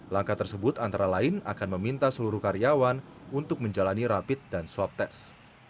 langkah tersebut antara lain akan meminta seluruh karyawan untuk menjalani rapid dan swab test